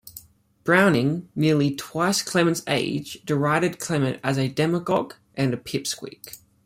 Browning, nearly twice Clement's age, derided Clement as a "demagogue" and "pipsqueak.